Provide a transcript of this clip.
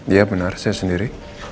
iya benar saya sendiri